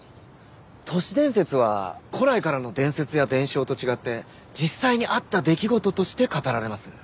都市伝説は古来からの伝説や伝承と違って実際にあった出来事として語られます。